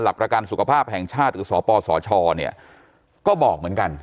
ประกันสุขภาพแห่งชาติหรือสปสชเนี่ยก็บอกเหมือนกัน